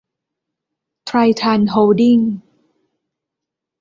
ไทรทัน โฮลดิ้ง